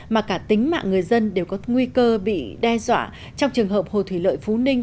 mà cả tính mạng người dân đều có nguy cơ bị đe dọa trong trường hợp hồ thủy lợi phú ninh